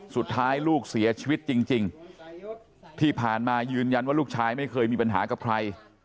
สุดท้ายลูกเสียชีวิตจริงที่ผ่านมายืนยันว่าลูกชายไม่เคยมีปัญหากับใคร